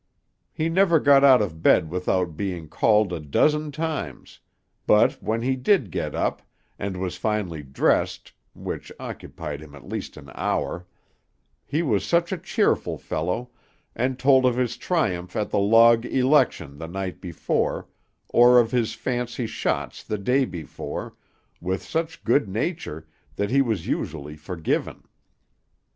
He never got out of bed without being called a dozen times, but when he did get up, and was finally dressed (which occupied him at least an hour) he was such a cheerful fellow, and told of his triumph at the lodge election the night before, or of his fancy shots the day before, with such good nature that he was usually forgiven.